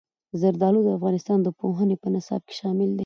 زردالو د افغانستان د پوهنې په نصاب کې شامل دي.